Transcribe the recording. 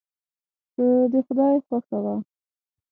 که د خدای خوښه وه.